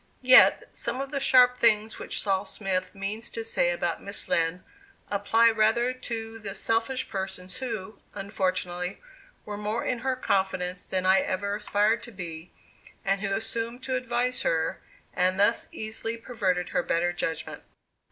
Yet, some of the sharp things which Sol. Smith means to say about Miss Lind, apply rather to the selfish persons who, unfortunately, were more in her confidence than I ever aspired to be, and who assumed to advise her and thus easily perverted her better judgment.